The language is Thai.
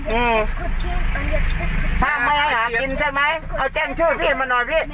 อืมห้ามมาหากินใช่ไหมเอาแจ้งชื่อพี่มาหน่อยพี่